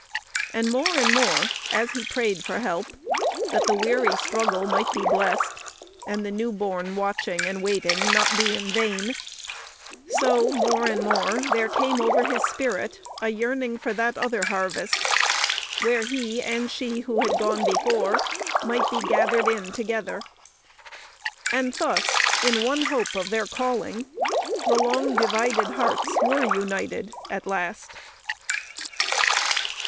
And more and more as he prayed for help, that the weary struggle might be blessed, and the new born watching and waiting not be in vain, so more and more there came over his spirit a yearning for that other harvest, where he and she who had gone before might be gathered in together. And thus in one hope of their calling the long divided hearts were united at last.